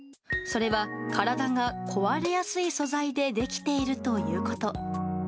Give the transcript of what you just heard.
それは体が壊れやすい素材でできているということ。